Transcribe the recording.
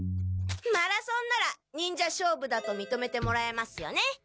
マラソンなら忍者勝負だとみとめてもらえますよね？